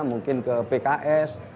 mungkin ke pks